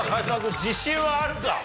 自信はあるか？